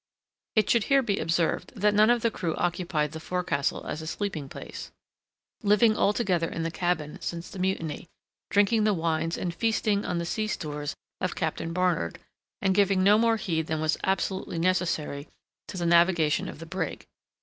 It should here be observed that none of the crew occupied the forecastle as a sleeping place, living altogether in the cabin since the mutiny, drinking the wines and feasting on the sea stores of Captain Barnard, and giving no more heed than was absolutely necessary to the navigation of the brig.